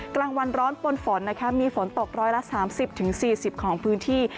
กลางวันร้อนปนฝนมีฝนตก๑๓๐๔๐ของพื้นที่